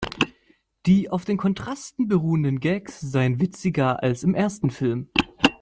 Die auf den Kontrasten beruhenden Gags seien witziger als im ersten Film.